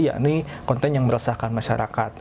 yakni konten yang meresahkan masyarakat